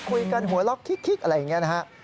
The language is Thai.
หัวล็อกคิกอะไรอย่างนี้นะฮะ